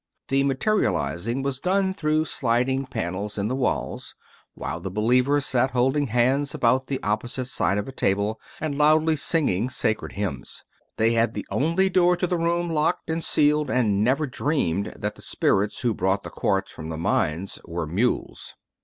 The materializing was done through sliding panels in the walls, while the believers sat holding hands about the oppo site side of a table, and loudly singing sacred hymns. They had the only door to the room locked and sealed, and never dreamed that the spirits who brought the quartz from the mine were mules.